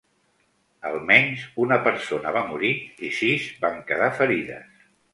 Almenys una persona va morir i sis van quedar ferides.